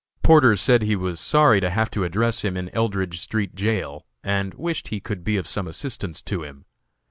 Porter said he was sorry to have to address him in Eldridge street jail, and wished he could be of some assistance to him.